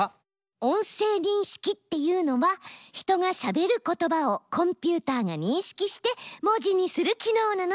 音声認識っていうのは人がしゃべる言葉をコンピューターが認識して文字にする機能なの。